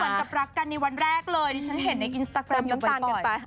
เหมือนกับรักกันในวันแรกเลยนี่ฉันเห็นในอินสตาแกรมอยู่บ่อย